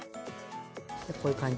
こういう感じ。